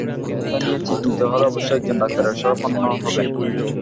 ব্যথা নিয়ে চিন্তিত হলে অবশ্যই একজন ডাক্তারের শরনাপন্ন হবেন।